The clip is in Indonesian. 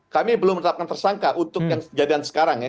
kami belum menetapkan tersangka untuk yang kejadian sekarang ya